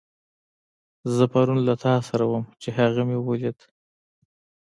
زه پرون له تاسره وم، چې هغه مې وليدو.